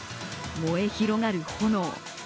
燃え広がる炎。